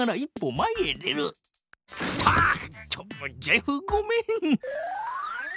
ちょっとジェフごめん。